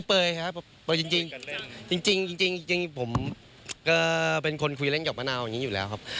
เปยครับเปยจริงผมก็เป็นคนคุยเล่นกับมะนาวอย่างนี้อยู่แล้วครับ